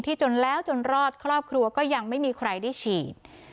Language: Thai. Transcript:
จนแล้วจนรอดครอบครัวก็ยังไม่มีใครได้ฉีด